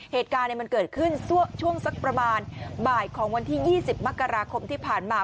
เหตุการณ์มันเกิดขึ้นช่วงสักประมาณบ่ายของวันที่๒๐มกราคมที่ผ่านมา